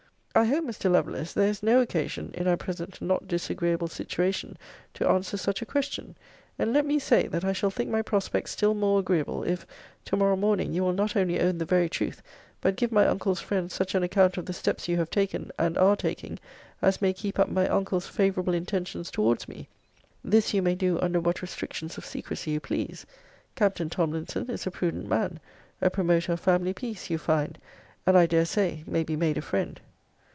I hope, Mr. Lovelace, there is no occasion, in our present not disagreeable situation, to answer such a question. And let me say, that I shall think my prospects still more agreeable, if, to morrow morning you will not only own the very truth, but give my uncle's friend such an account of the steps you have taken, and are taking, as may keep up my uncle's favourable intentions towards me. This you may do under what restrictions of secrecy you please. Captain Tomlinson is a prudent man; a promoter of family peace, you find; and, I dare say, may be made a friend.